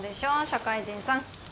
社会人さん。